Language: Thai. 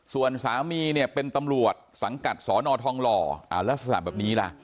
ส่วนสามีเนี่ยเป็นตำรวจสังกัดสอนอทองหล่อลักษณะแบบนี้ล่ะ